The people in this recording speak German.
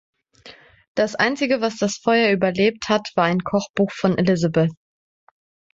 Das einzige was das Feuer überlebt hat war ein Kochbuch von Elizabeth.